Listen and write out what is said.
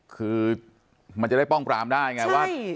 คือมันจะได้ป้องปรามได้ไงว่า